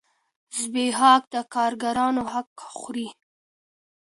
زبېښاک د کارګرانو حق خوري.